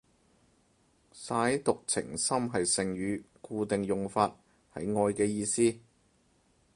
舐犢情深係成語，固定用法，係愛嘅意思